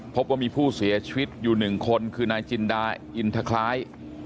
พบว่ามีผู้เสียชีวิตอยู่๑คนคือนายจินดาอินทะคล้าย